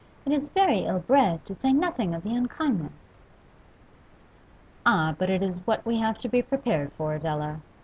It is very ill bred, to say nothing of the unkindness.' 'Ah, but it is what we have to be prepared for, Adela.